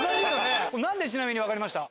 何でちなみに分かりました？